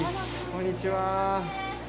こんにちは。